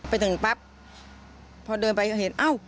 ไปถึงปั๊บเพราะเดินไปเห็น